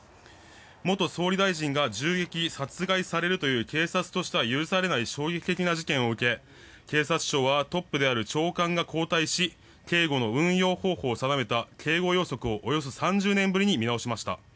元総理大臣が銃撃・殺害されるという警察としては許されない衝撃的な事件を受け警察庁はトップである長官が交代し警護の運用方法を３０年ぶりに見直しました。